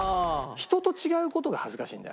人と違う事が恥ずかしいんだ